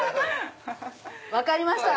分かりました。